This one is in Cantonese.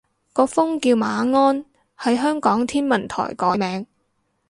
個風叫馬鞍，係香港天文台改名